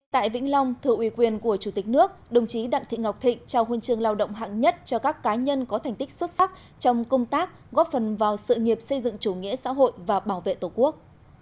tại vĩnh long thừa ủy quyền của chủ tịch nước đồng chí đặng thị ngọc thịnh trao huân chương lao động hạng nhất cho các cá nhân có thành tích xuất sắc trong công tác góp phần vào sự nghiệp xây dựng chủ nghĩa xã hội và bảo vệ tổ quốc